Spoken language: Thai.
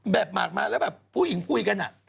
หมากมาแล้วแบบผู้หญิงคุยกันอะ